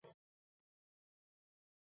慕容廆后为其在辽西侨置乐浪郡。